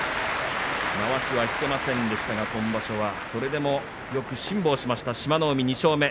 まわしは引けませんでしたが今場所はそれでもよく辛抱しました志摩ノ海２勝目。